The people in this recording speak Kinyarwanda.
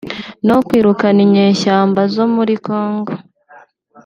no kwirukana inyeshyamba zo muri Congo